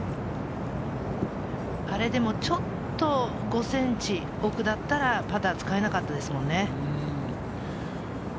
あれでもちょっと５ｃｍ奥だったら、パターは使えなかったですね。